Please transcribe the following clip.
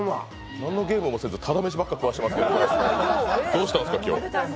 なんのゲームもせずタダ飯ばっかり食わせてますけど、どうしたんですか今日。